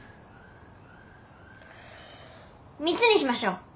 「３つ」にしましょう。